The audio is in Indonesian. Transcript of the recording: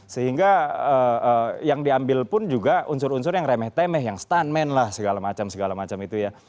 sehingga yang diambil pun juga unsur unsur yang remeh temeh yang stuntman lah segala macam segala macam itu ya